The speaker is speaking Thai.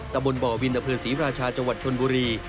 ตะบนบ่อวินพฤษีราชาจังหวัดชนบุรี